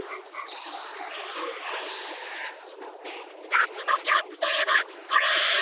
なつのキャンプといえばこれ！